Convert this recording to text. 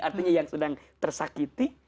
artinya yang sedang tersakiti